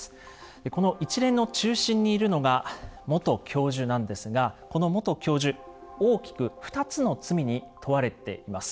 この一連の中心にいるのが元教授なんですがこの元教授大きく２つの罪に問われています。